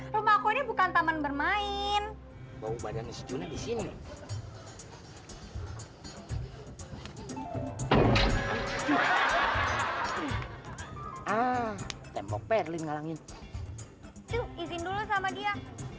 rumahku ini bukan taman bermain bau badan sejuni disini tembok perlin ngalangin dulu sama dia